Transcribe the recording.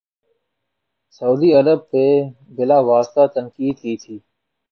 سعودی Arab پر بلا واسطہ تنقید کی تھی